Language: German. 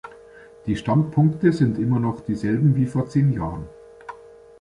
Die Standpunkte sind immer noch dieselben wie vor zehn Jahren.